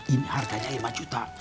ini harganya lima juta